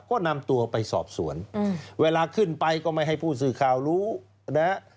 ก็นำตัวไปสอบสวนเวลาขึ้นไปก็ไม่ให้ผู้สื่อข่าวรู้นะฮะ